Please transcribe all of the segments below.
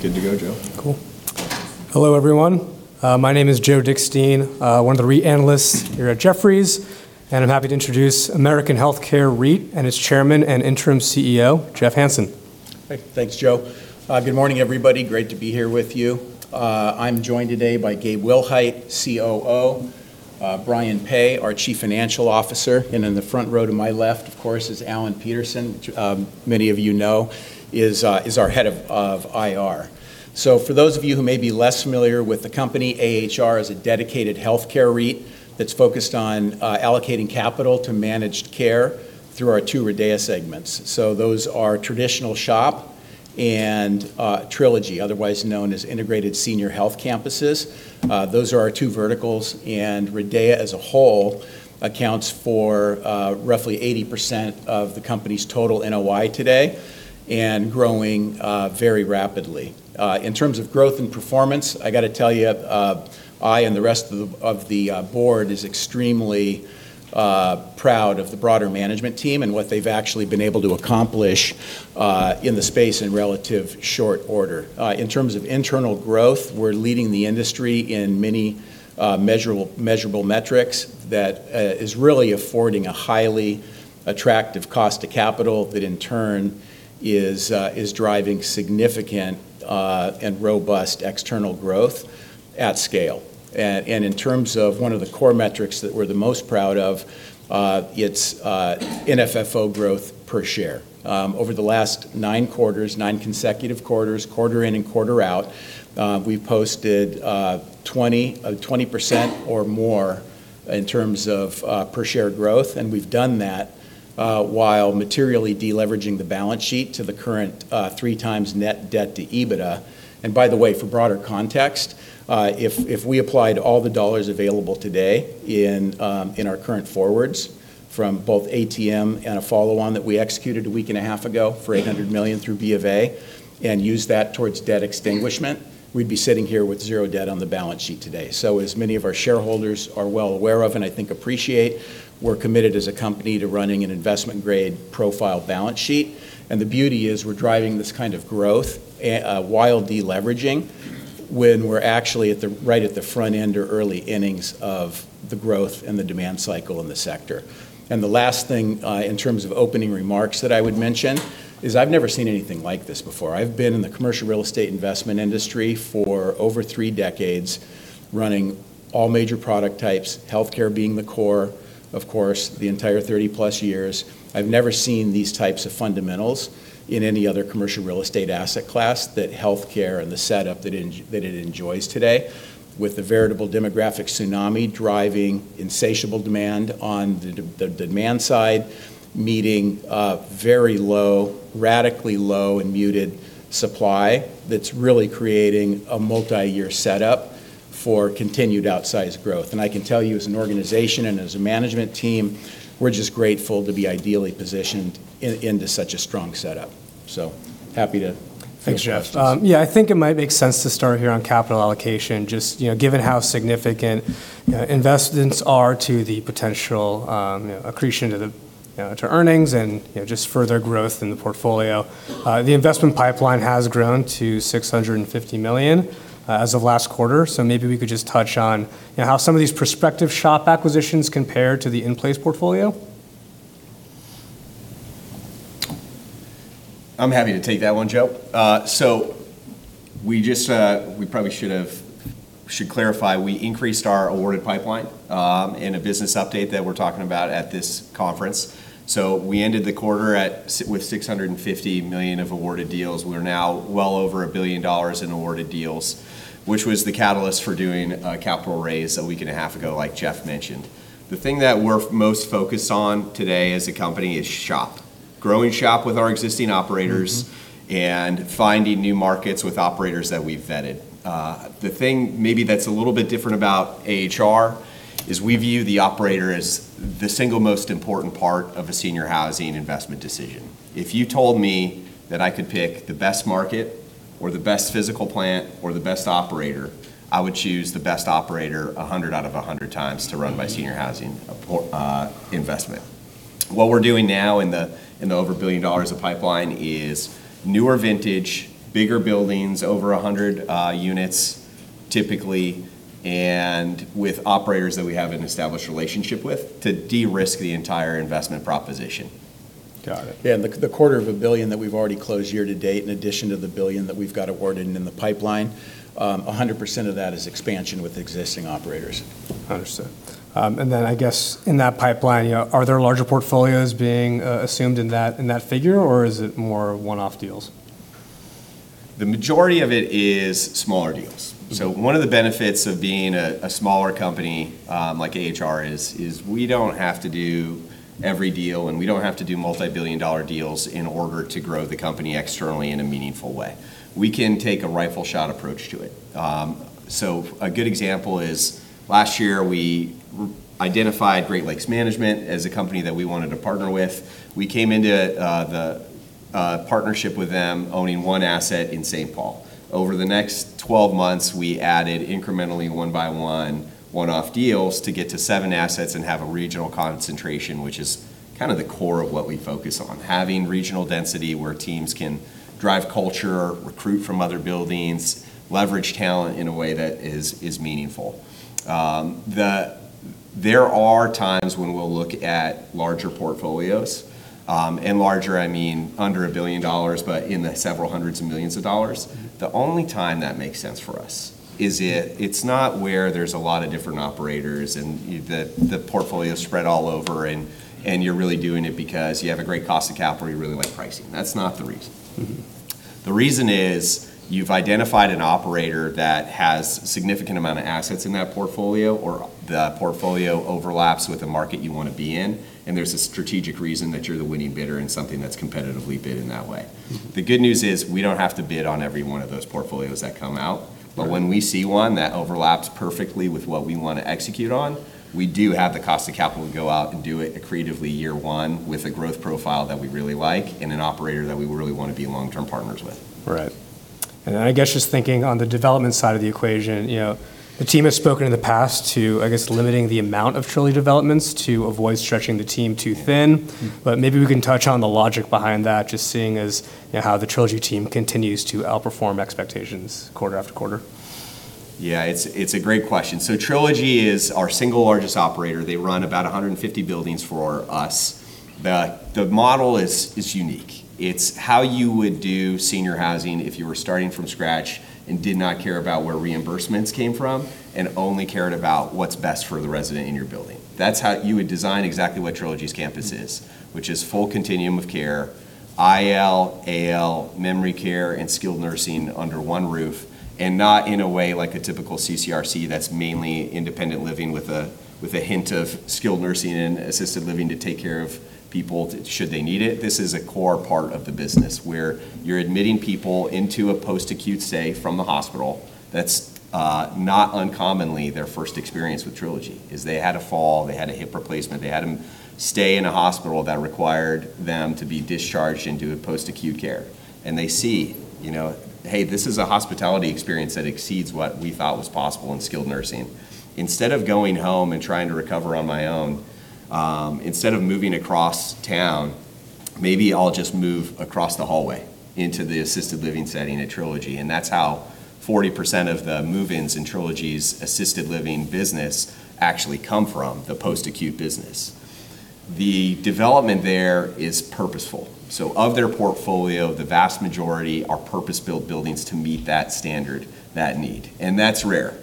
Good to go, Joe. Cool. Hello, everyone. My name is Joe Dickstein, one of the REIT analysts here at Jefferies, and I'm happy to introduce American Healthcare REIT and its Chairman and Interim CEO, Jeff Hanson. Hey. Thanks, Joe. Good morning, everybody. Great to be here with you. I'm joined today by Gabe Willhite, COO, Brian Peay, our Chief Financial Officer, and in the front row to my left, of course, is Alan Peterson, many of you know is our head of IR. For those of you who may be less familiar with the company, AHR is a dedicated healthcare REIT that's focused on allocating capital to managed care through our two RIDEA segments. Those are Traditional SHOP and Trilogy, otherwise known as Integrated Senior Health Campuses. Those are our two verticals, and RIDEA as a whole accounts for roughly 80% of the company's total NOI today, and growing very rapidly. In terms of growth and performance, I got to tell you, I and the rest of the board is extremely proud of the broader management team and what they've actually been able to accomplish in the space in relative short order. In terms of internal growth, we're leading the industry in many measurable metrics that is really affording a highly attractive cost to capital that in turn is driving significant and robust external growth at scale. In terms of one of the core metrics that we're the most proud of, it's in FFO growth per share. Over the last nine consecutive quarters, quarter in and quarter out, we've posted 20% or more in terms of per share growth. We've done that while materially de-leveraging the balance sheet to the current 3x net debt to EBITDA. By the way, for broader context, if we applied all the dollars available today in our current forwards from both ATM and a follow-on that we executed a week and a half ago for $800 million through BofA and used that towards debt extinguishment, we'd be sitting here with zero debt on the balance sheet today. As many of our shareholders are well aware of and I think appreciate, we're committed as a company to running an investment grade profile balance sheet. The beauty is we're driving this kind of growth while de-leveraging, when we're actually right at the front end or early innings of the growth and the demand cycle in the sector. The last thing, in terms of opening remarks that I would mention, is I've never seen anything like this before. I've been in the commercial real estate investment industry for over three decades, running all major product types, healthcare being the core, of course, the entire 30+ years. I've never seen these types of fundamentals in any other commercial real estate asset class that healthcare and the setup that it enjoys today, with the veritable demographic tsunami driving insatiable demand on the demand side, meeting very low, radically low and muted supply that's really creating a multi-year setup for continued outsized growth. I can tell you as an organization and as a management team, we're just grateful to be ideally positioned into such a strong setup. Happy to. Thanks, Jeff. -take questions. Yeah, I think it might make sense to start here on capital allocation, just given how significant investments are to the potential accretion to earnings and just further growth in the portfolio. The investment pipeline has grown to $650 million as of last quarter. Maybe we could just touch on how some of these prospective SHOP acquisitions compare to the in-place portfolio. I'm happy to take that one, Joe. We probably should clarify. We increased our awarded pipeline in a business update that we're talking about at this conference. We ended the quarter with $650 million of awarded deals. We're now well over $1 billion in awarded deals, which was the catalyst for doing a capital raise a week and a half ago, like Jeff mentioned. The thing that we're most focused on today as a company is SHOP, growing SHOP with our existing operators. Finding new markets with operators that we've vetted. The thing maybe that's a little bit different about AHR is we view the operator as the single most important part of a senior housing investment decision. If you told me that I could pick the best market or the best physical plant or the best operator, I would choose the best operator 100 out of 100 times to run my senior housing investment. What we're doing now in the over $1 billion of pipeline is newer vintage, bigger buildings, over 100 units typically, and with operators that we have an established relationship with to de-risk the entire investment proposition. Got it. Yeah, the quarter of a billion that we've already closed year to date, in addition to the $1 billion that we've got awarded in the pipeline, 100% of that is expansion with existing operators. Understood. I guess in that pipeline, are there larger portfolios being assumed in that figure, or is it more one-off deals? The majority of it is smaller deals. One of the benefits of being a smaller company like AHR is we don't have to do every deal, and we don't have to do multi-billion dollar deals in order to grow the company externally in a meaningful way. We can take a rifle shot approach to it. A good example is last year we identified Great Lakes Management as a company that we wanted to partner with. We came into the partnership with them owning one asset in St. Paul. Over the next 12 months, we added incrementally one by one-off deals to get to seven assets and have a regional concentration, which is the core of what we focus on. Having regional density where teams can drive culture, recruit from other buildings, leverage talent in a way that is meaningful. There are times when we'll look at larger portfolios. Larger I mean under $1 billion, but in the several hundreds of millions of dollars. The only time that makes sense for us is it's not where there's a lot of different operators, and the portfolio's spread all over, and you're really doing it because you have a great cost of capital, or you really like pricing. That's not the reason. The reason is you've identified an operator that has significant amount of assets in that portfolio, or the portfolio overlaps with the market you want to be in, and there's a strategic reason that you're the winning bidder in something that's competitively bid in that way. The good news is we don't have to bid on every one of those portfolios that come out. Right. When we see one that overlaps perfectly with what we want to execute on, we do have the cost of capital to go out and do it accretively year one with a growth profile that we really like and an operator that we really want to be long-term partners with. Right. I guess just thinking on the development side of the equation, the team has spoken in the past to, I guess, limiting the amount of Trilogy developments to avoid stretching the team too thin. Maybe we can touch on the logic behind that, just seeing as how the Trilogy team continues to outperform expectations quarter after quarter. Yeah, it's a great question. Trilogy is our single largest operator. They run about 150 buildings for us. The model is unique. It's how you would do senior housing if you were starting from scratch and did not care about where reimbursements came from and only cared about what's best for the resident in your building. That's how you would design exactly what Trilogy's campus is, which is full continuum of care, IL, AL, memory care, and skilled nursing under one roof, and not in a way like a typical CCRC that's mainly independent living with a hint of skilled nursing and assisted living to take care of people should they need it. This is a core part of the business where you're admitting people into a post-acute stay from the hospital. That's not uncommonly their first experience with Trilogy is they had a fall, they had a hip replacement, they had to stay in a hospital that required them to be discharged into post-acute care. They see, "Hey, this is a hospitality experience that exceeds what we thought was possible in skilled nursing. Instead of going home and trying to recover on my own, instead of moving across town, maybe I'll just move across the hallway into the assisted living setting at Trilogy." That's how 40% of the move-ins in Trilogy's assisted living business actually come from the post-acute business. The development there is purposeful. Of their portfolio, the vast majority are purpose-built buildings to meet that standard, that need. That's rare.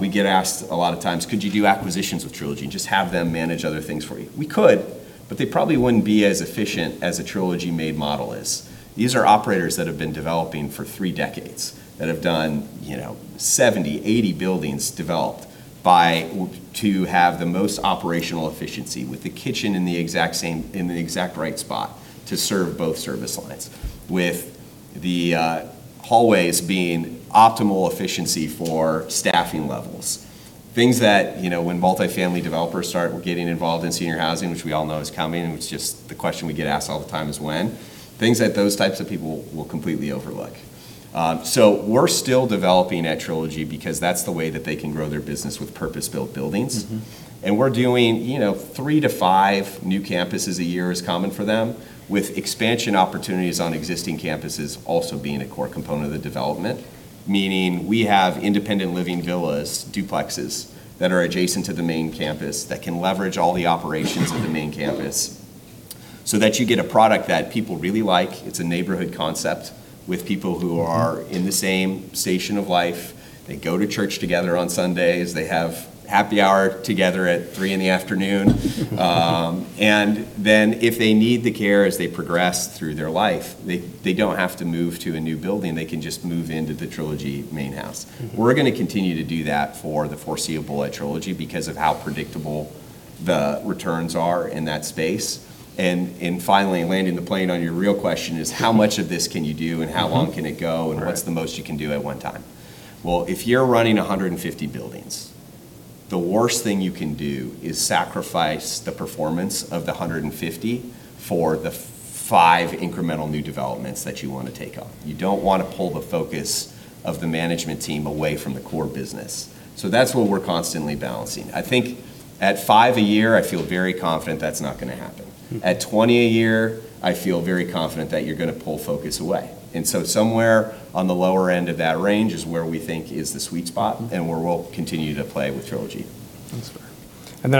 We get asked a lot of times, "Could you do acquisitions with Trilogy and just have them manage other things for you?" We could, but they probably wouldn't be as efficient as a Trilogy-made model is. These are operators that have been developing for three decades, that have done 70, 80 buildings developed to have the most operational efficiency with the kitchen in the exact right spot to serve both service lines, with the hallways being optimal efficiency for staffing levels. Things that when multi-family developers start getting involved in senior housing, which we all know is coming, and it's just the question we get asked all the time is when, things that those types of people will completely overlook. We're still developing at Trilogy because that's the way that they can grow their business with purpose-built buildings. We're doing three to five new campuses a year is common for them, with expansion opportunities on existing campuses also being a core component of the development, meaning we have independent living villas, duplexes that are adjacent to the main campus that can leverage all the operations of the main campus so that you get a product that people really like. It's a neighborhood concept, with people who are in the same station of life. They go to church together on Sundays. They have happy hour together at 3:00 P.M. If they need the care as they progress through their life, they don't have to move to a new building. They can just move into the Trilogy main house. We're going to continue to do that for the foreseeable at Trilogy because of how predictable the returns are in that space. Finally, landing the plane on your real question is how much of this can you do, and how long can it go. Right. What's the most you can do at one time? Well, if you're running 150 buildings, the worst thing you can do is sacrifice the performance of the 150 for the five incremental new developments that you want to take on. You don't want to pull the focus of the management team away from the core business. That's what we're constantly balancing. I think at five a year, I feel very confident that's not going to happen. At 20 a year, I feel very confident that you're going to pull focus away. Somewhere on the lower end of that range is where we think is the sweet spot, and where we'll continue to play with Trilogy. That's fair.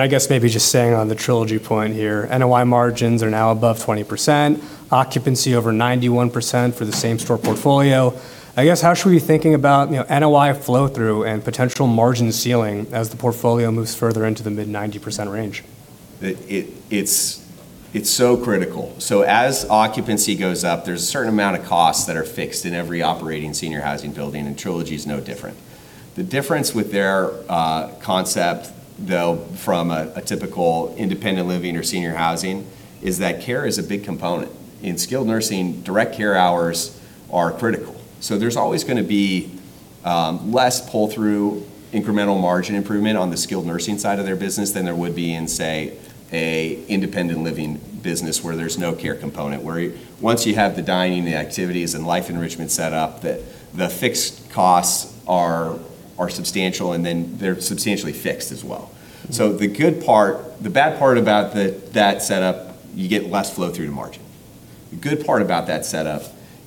I guess maybe just staying on the Trilogy point here, NOI margins are now above 20%, occupancy over 91% for the same store portfolio. I guess how should we be thinking about NOI flow-through and potential margin ceiling as the portfolio moves further into the mid-90% range? It's so critical. As occupancy goes up, there's a certain amount of costs that are fixed in every operating senior housing building, and Trilogy's no different. The difference with their concept, though, from a typical independent living or senior housing, is that care is a big component. In skilled nursing, direct care hours are critical. There's always going to be less pull-through incremental margin improvement on the skilled nursing side of their business than there would be in, say, an independent living business where there's no care component, where once you have the dining, the activities, and life enrichment set up, the fixed costs are substantial, and then they're substantially fixed as well. The bad part about that setup, you get less flow through to margin. The good part about that setup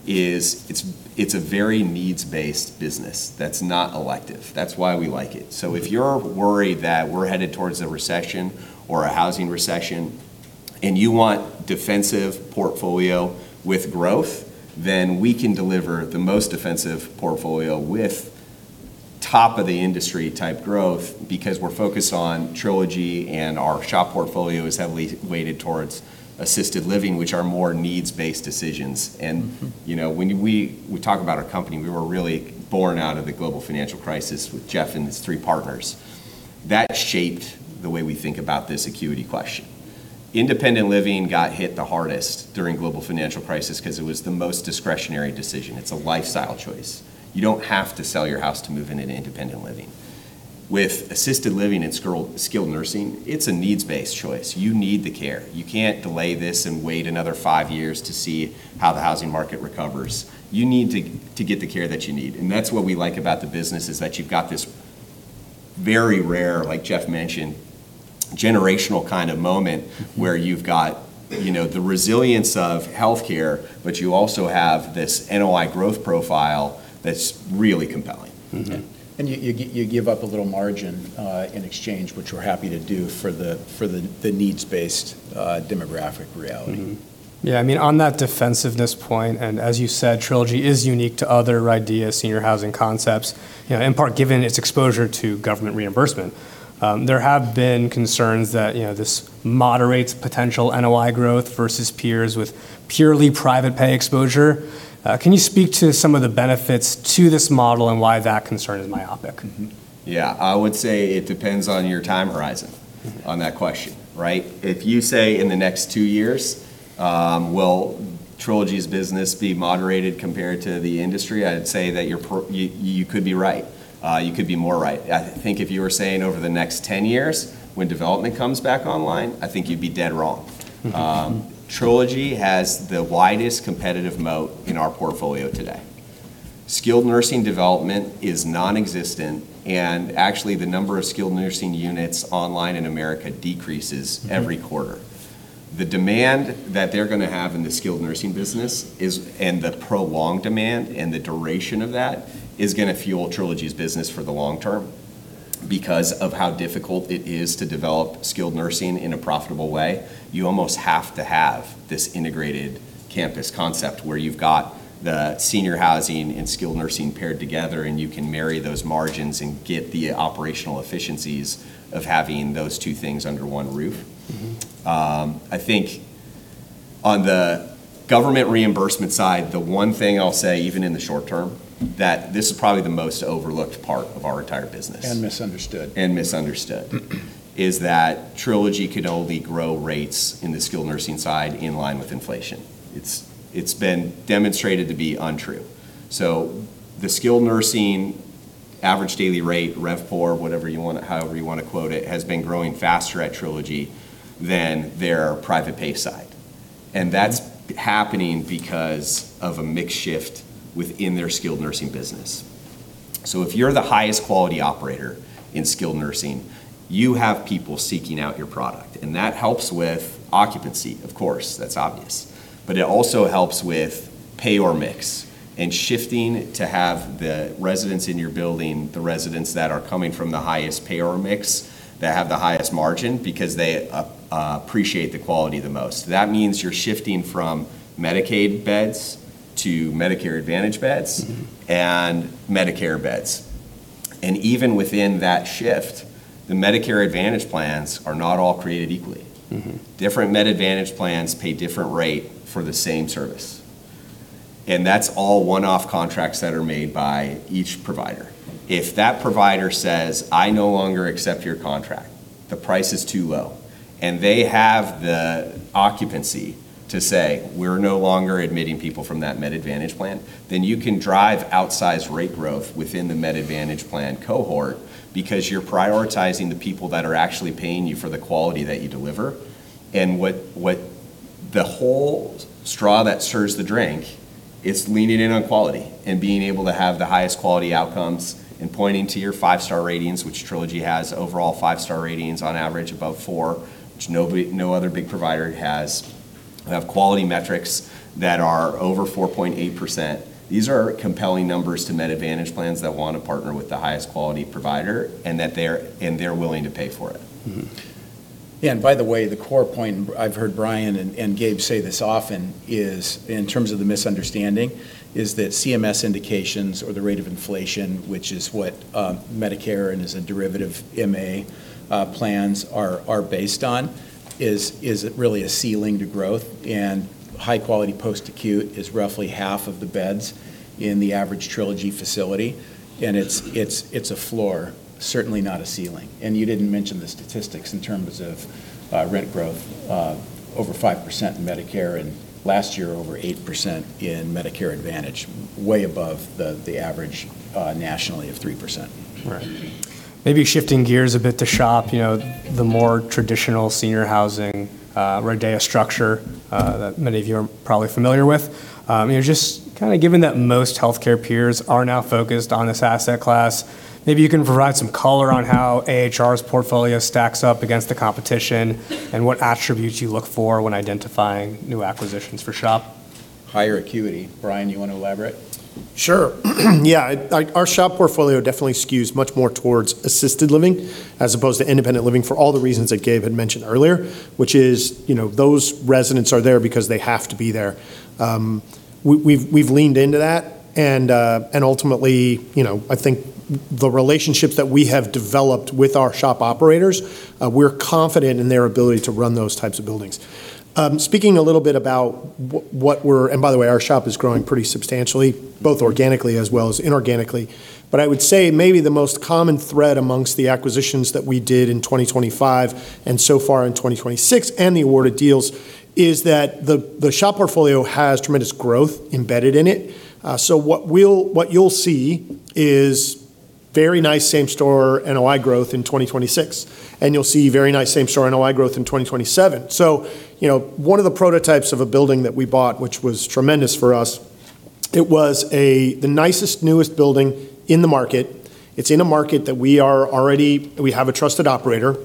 is it's a very needs-based business that's not elective. That's why we like it. If you're worried that we're headed towards a recession or a housing recession, and you want defensive portfolio with growth, then we can deliver the most defensive portfolio with top-of-the-industry type growth because we're focused on Trilogy and our SHOP portfolio is heavily weighted towards assisted living, which are more needs-based decisions. When we talk about our company, we were really born out of the global financial crisis with Jeff and his three partners. That shaped the way we think about this acuity question. Independent living got hit the hardest during global financial crisis because it was the most discretionary decision. It's a lifestyle choice. You don't have to sell your house to move into independent living. With assisted living and skilled nursing, it's a needs-based choice. You need the care. You can't delay this and wait another five years to see how the housing market recovers. You need to get the care that you need. That's what we like about the business is that you've got this very rare, like Jeff mentioned, generational kind of moment where you've got the resilience of healthcare, but you also have this NOI growth profile that's really compelling. You give up a little margin in exchange, which we're happy to do for the needs-based demographic reality. Yeah, on that defensiveness point, as you said, Trilogy is unique to other RIDEA senior housing concepts, in part given its exposure to government reimbursement. There have been concerns that this moderates potential NOI growth versus peers with purely private pay exposure. Can you speak to some of the benefits to this model and why that concern is myopic? Mm-hmm. Yeah. I would say it depends on your time horizon, on that question. Right? If you say in the next two years, will Trilogy's business be moderated compared to the industry? I'd say that you could be right. You could be more right. I think if you were saying over the next 10 years, when development comes back online, I think you'd be dead wrong. Trilogy has the widest competitive moat in our portfolio today. Skilled nursing development is nonexistent, and actually, the number of skilled nursing units online in America decreases every quarter. The demand that they're going to have in the skilled nursing business, and the prolonged demand, and the duration of that, is going to fuel Trilogy's business for the long term. Because of how difficult it is to develop skilled nursing in a profitable way, you almost have to have this integrated campus concept where you've got the senior housing and skilled nursing paired together, and you can marry those margins and get the operational efficiencies of having those two things under one roof. I think on the government reimbursement side, the one thing I'll say, even in the short term, that this is probably the most overlooked part of our entire business. And misunderstood Misunderstood, is that Trilogy can only grow rates in the skilled nursing side in line with inflation. It's been demonstrated to be untrue. The skilled nursing average daily rate, RevPOR, however you want to quote it, has been growing faster at Trilogy than their private pay side. That's happening because of a mix shift within their skilled nursing business. If you're the highest quality operator in skilled nursing, you have people seeking out your product, and that helps with occupancy, of course. That's obvious. It also helps with payor mix, and shifting to have the residents in your building, the residents that are coming from the highest payor mix, that have the highest margin because they appreciate the quality the most. That means you're shifting from Medicaid beds to Medicare Advantage beds and Medicare beds. Even within that shift, the Medicare Advantage plans are not all created equally. Different Med Advantage plans pay different rate for the same service. That's all one-off contracts that are made by each provider. If that provider says, "I no longer accept your contract. The price is too low," and they have the occupancy to say, "We're no longer admitting people from that Med Advantage plan," you can drive outsized rate growth within the Med Advantage plan cohort because you're prioritizing the people that are actually paying you for the quality that you deliver. The whole straw that stirs the drink, it's leaning in on quality and being able to have the highest quality outcomes and pointing to your Five-Star ratings, which Trilogy has overall Five-Star ratings on average above four, which no other big provider has, have quality metrics that are over 4.8%. These are compelling numbers to Med Advantage plans that want to partner with the highest quality provider, and they're willing to pay for it. By the way, the core point, I've heard Brian and Gabe say this often, is in terms of the misunderstanding, is that CMS indications or the rate of inflation, which is what Medicare and as a derivative MA plans are based on, is really a ceiling to growth and high-quality post-acute is roughly half of the beds in the average Trilogy facility, and it's a floor, certainly not a ceiling. You didn't mention the statistics in terms of rent growth, over 5% in Medicare, and last year, over 8% in Medicare Advantage, way above the average nationally of 3%. Right. Maybe shifting gears a bit to SHOP, the more traditional senior housing RIDEA structure that many of you are probably familiar with. Just kind of given that most healthcare peers are now focused on this asset class, maybe you can provide some color on how AHR's portfolio stacks up against the competition and what attributes you look for when identifying new acquisitions for SHOP. Higher acuity. Brian, you want to elaborate? Sure. Yeah. Our SHOP portfolio definitely skews much more towards assisted living as opposed to independent living for all the reasons that Gabe had mentioned earlier, which is, those residents are there because they have to be there. We've leaned into that, and ultimately, I think the relationships that we have developed with our SHOP operators, we're confident in their ability to run those types of buildings. By the way, our SHOP is growing pretty substantially, both organically as well as inorganically. I would say maybe the most common thread amongst the acquisitions that we did in 2025 and so far in 2026, and the awarded deals, is that the SHOP portfolio has tremendous growth embedded in it. What you'll see is very nice same-store NOI growth in 2026, and you'll see very nice same-store NOI growth in 2027. One of the prototypes of a building that we bought, which was tremendous for us, it was the nicest, newest building in the market. It's in a market that we have a trusted operator.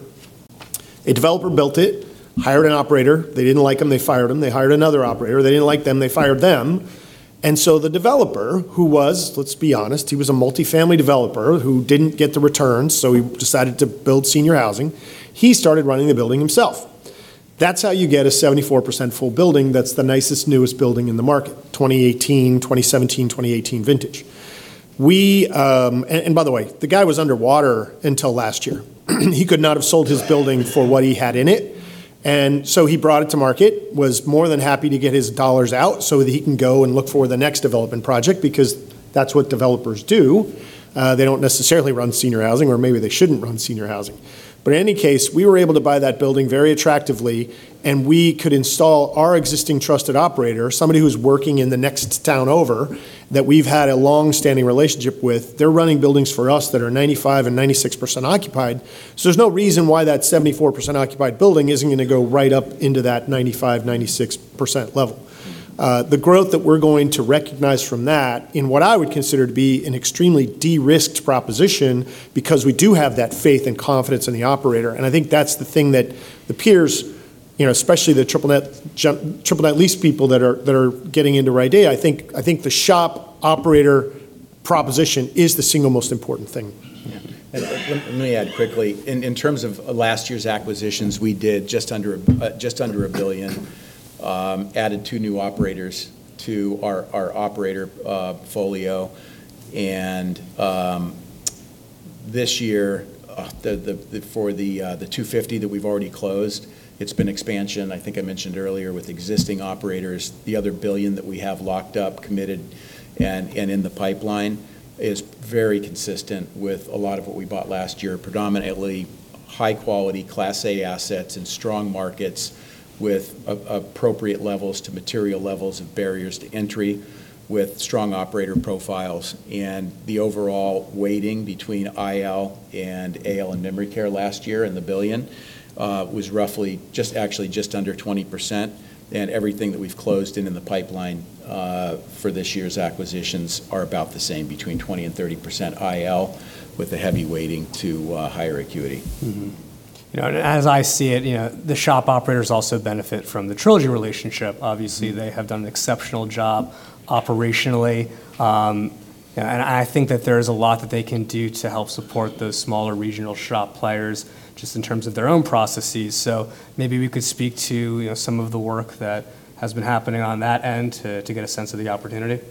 A developer built it, hired an operator. They didn't like him, they fired him. They hired another operator. They didn't like them, they fired them. The developer who was, let's be honest, he was a multi-family developer who didn't get the returns, so he decided to build senior housing. He started running the building himself. That's how you get a 74% full building that's the nicest, newest building in the market, 2017, 2018 vintage. By the way, the guy was underwater until last year. He could not have sold his building for what he had in it, and so he brought it to market, was more than happy to get his dollars out so that he can go and look for the next development project, because that's what developers do. They don't necessarily run senior housing, or maybe they shouldn't run senior housing. In any case, we were able to buy that building very attractively, and we could install our existing trusted operator, somebody who's working in the next town over, that we've had a long-standing relationship with. They're running buildings for us that are 95% and 96% occupied. There's no reason why that 74% occupied building isn't going to go right up into that 95%, 96% level. The growth that we're going to recognize from that, in what I would consider to be an extremely de-risked proposition, because we do have that faith and confidence in the operator, and I think that's the thing that the peers, especially the triple-net lease people that are getting into RIDEA, I think the SHOP operator proposition is the single most important thing. Yeah. Let me add quickly, in terms of last year's acquisitions, we did just under $1 billion, added two new operators to our operator portfolio. This year, for the $250 that we've already closed, it's been expansion, I think I mentioned earlier, with existing operators. The other $1 billion that we have locked up, committed, and in the pipeline is very consistent with a lot of what we bought last year. Predominantly high-quality Class A assets in strong markets with appropriate levels to material levels of barriers to entry, with strong operator profiles. The overall weighting between IL and AL and memory care last year in the $1 billion was roughly actually just under 20%, and everything that we've closed and in the pipeline for this year's acquisitions are about the same, between 20%-30% IL, with a heavy weighting to higher acuity. As I see it, the SHOP operators also benefit from the Trilogy relationship. Obviously, they have done an exceptional job operationally. I think that there is a lot that they can do to help support those smaller regional SHOP players, just in terms of their own processes. Maybe we could speak to some of the work that has been happening on that end to get a sense of the opportunity.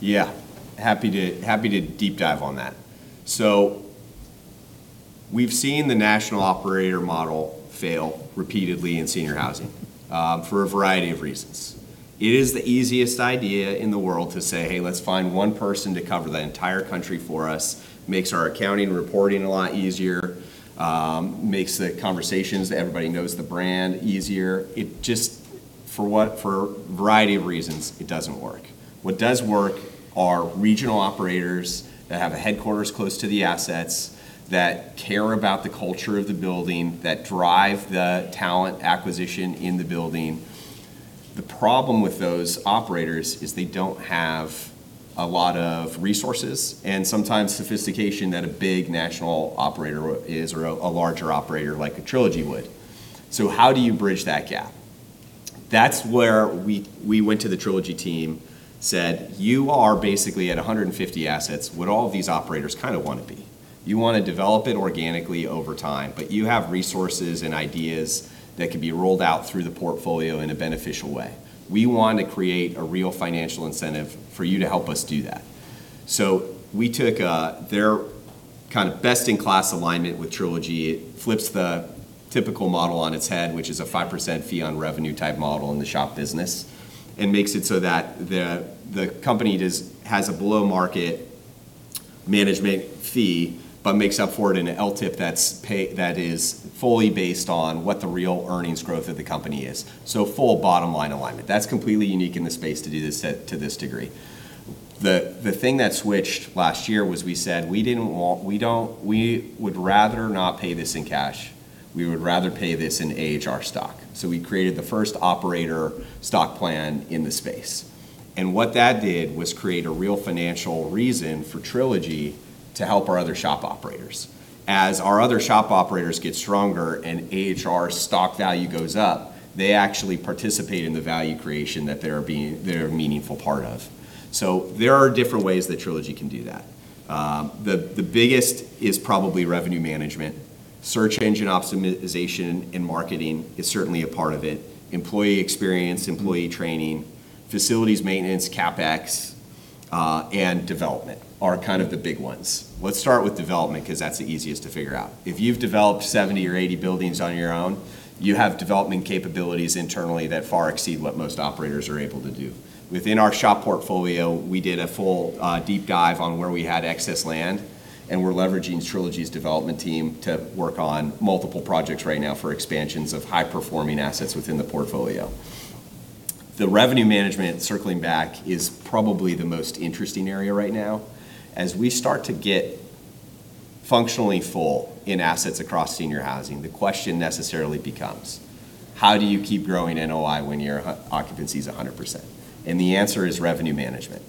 Yeah. Happy to deep dive on that. We've seen the national operator model fail repeatedly in senior housing, for a variety of reasons. It is the easiest idea in the world to say, "Hey, let's find one person to cover the entire country for us." Makes our accounting and reporting a lot easier, makes the conversations that everybody knows the brand easier. For a variety of reasons, it doesn't work. What does work are regional operators that have a headquarters close to the assets, that care about the culture of the building, that drive the talent acquisition in the building. The problem with those operators is they don't have a lot of resources, and sometimes sophistication that a big national operator is, or a larger operator like a Trilogy would. How do you bridge that gap? That's where we went to the Trilogy team, said, "You are basically at 150 assets, what all of these operators kind of want to be. You want to develop it organically over time, but you have resources and ideas that could be rolled out through the portfolio in a beneficial way. We want to create a real financial incentive for you to help us do that." We took their best-in-class alignment with Trilogy. It flips the typical model on its head, which is a 5% fee on revenue type model in the SHOP business, and makes it so that the company has a below-market management fee, but makes up for it in an LTIP that is fully based on what the real earnings growth of the company is. Full bottom-line alignment. That's completely unique in the space to do this to this degree. The thing that switched last year was we said we would rather not pay this in cash, we would rather pay this in AHR stock. We created the first operator stock plan in the space. What that did was create a real financial reason for Trilogy to help our other SHOP operators. As our other SHOP operators get stronger and AHR stock value goes up, they actually participate in the value creation that they're a meaningful part of. There are different ways that Trilogy can do that. The biggest is probably revenue management. Search engine optimization and marketing is certainly a part of it. Employee experience, employee training, facilities maintenance, CapEx, and development are kind of the big ones. Let's start with development, because that's the easiest to figure out. If you've developed 70 or 80 buildings on your own, you have development capabilities internally that far exceed what most operators are able to do. Within our SHOP portfolio, we did a full deep dive on where we had excess land, we're leveraging Trilogy's development team to work on multiple projects right now for expansions of high-performing assets within the portfolio. The revenue management, circling back, is probably the most interesting area right now. As we start to get functionally full in assets across senior housing, the question necessarily becomes: how do you keep growing NOI when your occupancy is 100%? The answer is revenue management.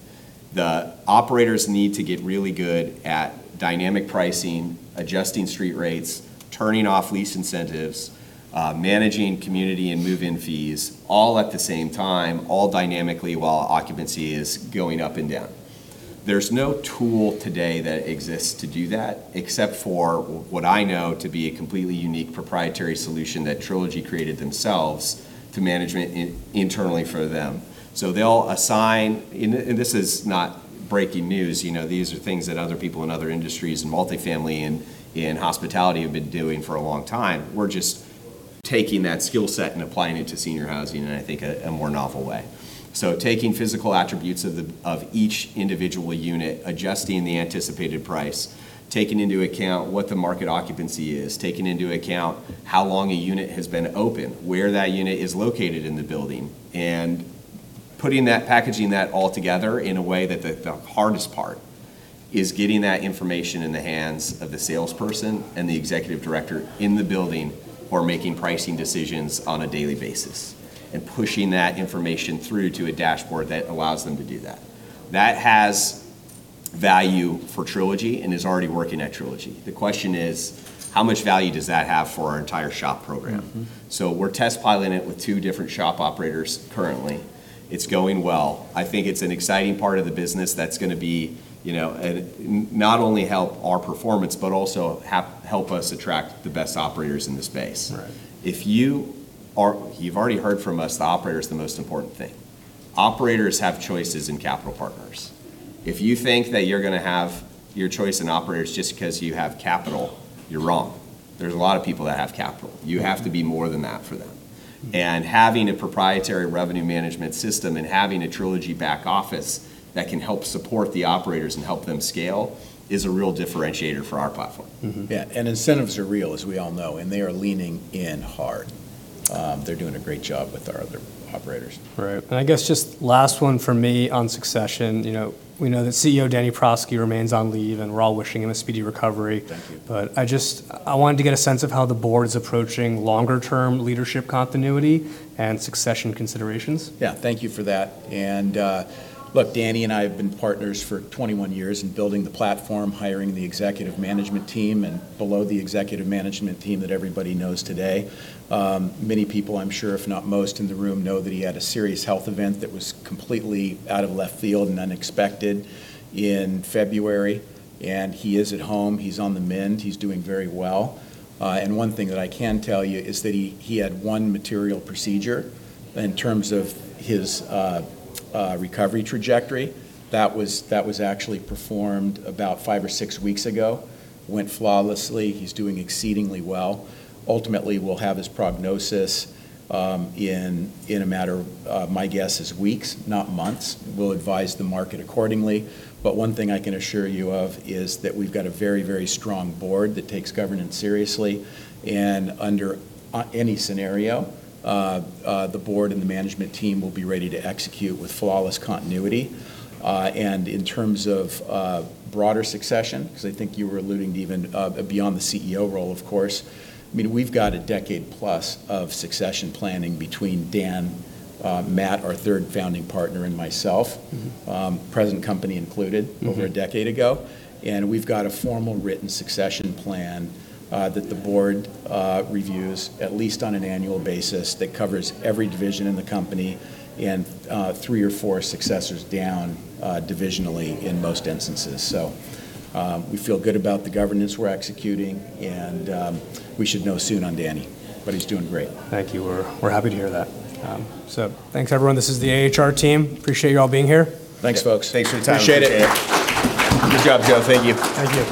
The operators need to get really good at dynamic pricing, adjusting street rates, turning off lease incentives, managing community and move-in fees, all at the same time, all dynamically while occupancy is going up and down. There's no tool today that exists to do that, except for what I know to be a completely unique proprietary solution that Trilogy created themselves to management internally for them. This is not breaking news. These are things that other people in other industries and multi-family and in hospitality have been doing for a long time. We're just taking that skill set and applying it to senior housing in, I think, a more novel way. Taking physical attributes of each individual unit, adjusting the anticipated price, taking into account what the market occupancy is, taking into account how long a unit has been open, where that unit is located in the building, and packaging that all together in a way that the hardest part is getting that information in the hands of the salesperson and the executive director in the building who are making pricing decisions on a daily basis, and pushing that information through to a dashboard that allows them to do that. That has value for Trilogy and is already working at Trilogy. The question is: how much value does that have for our entire SHOP program? We're test piloting it with two different SHOP operators currently. It's going well. I think it's an exciting part of the business that's going to not only help our performance, but also help us attract the best operators in the space. Right. You've already heard from us, the operator is the most important thing. Operators have choices in capital partners. If you think that you're going to have your choice in operators just because you have capital, you're wrong. There's a lot of people that have capital. You have to be more than that for them. And having a proprietary revenue management system and having a Trilogy back office that can help support the operators and help them scale is a real differentiator for our platform. Yeah. Incentives are real, as we all know, and they are leaning in hard. They're doing a great job with our other operators. Right. I guess just last one from me on succession. We know that CEO Danny Prosky remains on leave, and we're all wishing him a speedy recovery. Thank you. I wanted to get a sense of how the board's approaching longer-term leadership continuity and succession considerations. Yeah. Thank you for that. Look, Danny and I have been partners for 21 years in building the platform, hiring the executive management team, and below the executive management team that everybody knows today. Many people, I'm sure, if not most in the room, know that he had a serious health event that was completely out of left field and unexpected in February. He is at home. He's on the mend. He's doing very well. One thing that I can tell you is that he had one material procedure in terms of his recovery trajectory. That was actually performed about five or six weeks ago, went flawlessly. He's doing exceedingly well. Ultimately, we'll have his prognosis in a matter of, my guess is weeks, not months. We'll advise the market accordingly. One thing I can assure you of is that we've got a very, very strong board that takes governance seriously. Under any scenario, the board and the management team will be ready to execute with flawless continuity. In terms of broader succession, because I think you were alluding to even beyond the CEO role, of course. We've got a decade-plus of succession planning between Dan, Matt, our third founding partner, and myself. Present company included, over a decade ago. We've got a formal written succession plan that the board reviews at least on an annual basis that covers every division in the company and three or four successors down divisionally in most instances. We feel good about the governance we're executing, and we should know soon on Danny, but he's doing great. Thank you. We're happy to hear that. Thanks, everyone. This is the AHR team. Appreciate you all being here. Thanks, folks. Thanks for your time. Appreciate it. Good job, Joe. Thank you. Thank you.